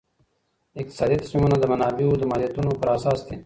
اقتصادي تصمیمونه د منابعو د محدودیتونو پر اساس دي.